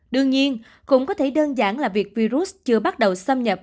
đương nhiên cũng có thể đơn giản là việc virus chưa bắt đầu xâm nhập